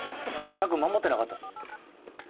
尺守ってなかった。